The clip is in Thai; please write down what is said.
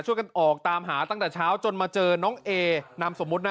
ช่วยกันออกตามหาตั้งแต่เช้าจนมาเจอน้องเอนามสมมุตินะ